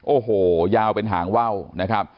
โอ้โหยาวเป็นหางว่าวนะครับ